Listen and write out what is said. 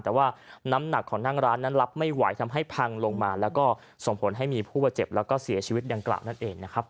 แต่ว่าน้ำหนักของนั่งร้านนั้นรับไม่ไหวทำให้พังลงมาแล้วก็ส่งผลให้มีผู้บาดเจ็บแล้วก็เสียชีวิตดังกล่าวนั่นเองนะครับ